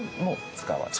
使われる。